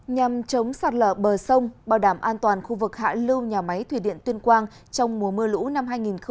nhằm chống sạt lở bờ sông bảo đảm an toàn khu vực hạ lưu nhà máy thủy điện tuyên quang trong mùa mưa lũ năm hai nghìn hai mươi